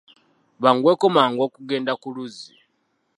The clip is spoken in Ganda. Banguweko mangu okugenda ku luzzi.